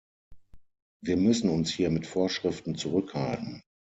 Wir müssen uns hier mit Vorschriften zurückhalten.